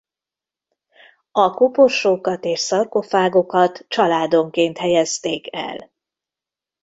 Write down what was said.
A koporsókat és szarkofágokat családonként helyezték el.